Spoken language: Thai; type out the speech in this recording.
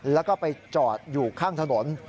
แล้วก็ไปจอดอยู่ข้างถนน